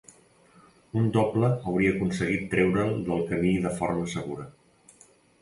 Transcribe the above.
Un doble hauria aconseguit treure'l del camí de forma segura.